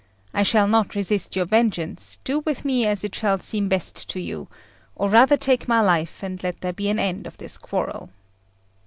I shall not resist your vengeance: do with me as it shall seem best to you; or rather take my life, and let there be an end of this quarrel."